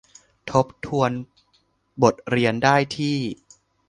ทบทวนบทเรียนได้ที่